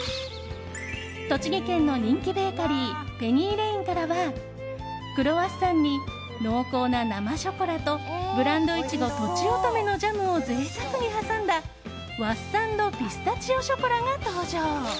栃木県の人気ベーカリーペニーレインからはクロワッサンに濃厚な生ショコラとブランドイチゴとちおとめのジャムを贅沢に挟んだワッサン・ド・ピスタチオショコラが登場。